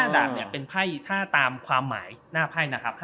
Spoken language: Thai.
ดาบเนี่ยเป็นไพ่ถ้าตามความหมายหน้าไพ่นะครับ